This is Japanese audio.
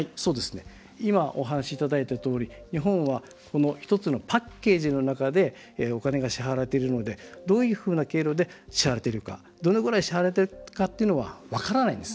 今お話いただいたとおり日本は１つのパッケージの中でお金が支払われているのでどういうふうな経路で支払われているのかどのように支払われているのか分からないんです。